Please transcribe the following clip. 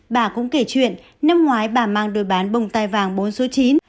bà cũng kể chuyện năm ngoái bà mang đôi bán bông tay vàng bốn số chín